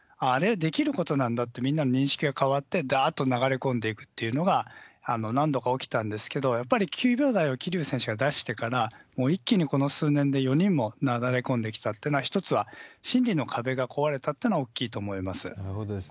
できることなんだって、みんな認識が変わって、だーっと流れ込んでいくっていうのが何度か起きたんですけど、やっぱり９秒台を桐生選手が出してから、もう一気にこの数年で４人もなだれ込んできたというのは一つは心理の壁が壊れたっていうのが大きいと思います。